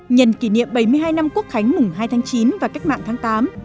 nhân kỷ niệm bảy mươi hai năm quốc khánh mùng hai tháng chín và cách mạng tháng tám